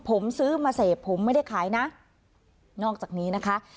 ผมซื้อมาเสพผมไม่ได้ขายนะนอกจากนี้นะคะ